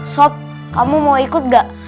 sop kamu mau ikut gak